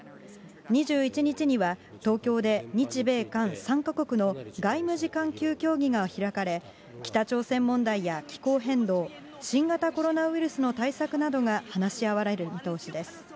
２１日には、東京で日米韓３か国の外務次官級協議が開かれ、北朝鮮問題や気候変動、新型コロナウイルスの対策などが話し合われる見通しです。